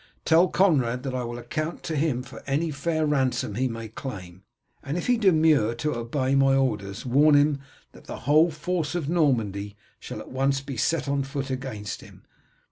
Tell Conrad that I will account to him for any fair ransom he may claim, and if he demur to obey my orders warn him that the whole force of Normandy shall at once be set on foot against him.